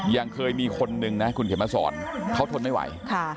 ยังเคยมีคนนึงนะคุณเขียนมาสอนเขาทนไม่ไหว